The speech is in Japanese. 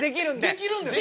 できるんですか？